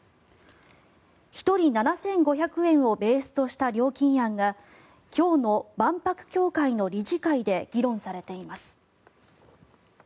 １人７５００円をベースとした料金案が今日の万博協会の理事会で議論されています。